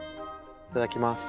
いただきます。